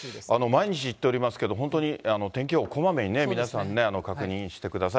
毎日言っておりますけれども、本当に天気予報、こまめにね、皆さんね、確認してください。